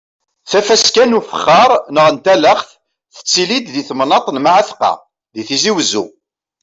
Tafaska n ufexxaṛ neɣ n talaxt tettili-d di temnaḍt n Mɛatqa di Tizi Wezzu.